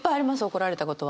怒られたことは。